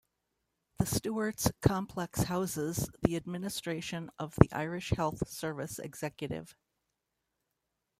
The Stewarts complex houses the administration of the Irish Health Service Executive.